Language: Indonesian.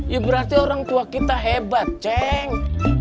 ya berarti orang tua kita hebat ceng